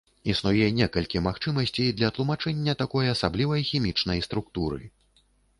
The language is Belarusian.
Існуе некалькі магчымасцей для тлумачэння такой асаблівай хімічнай структуры.